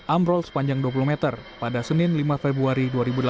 ambrol sepanjang dua puluh meter pada senin lima februari dua ribu delapan belas